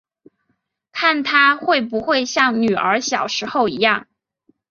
看她会不会像女儿小时候一样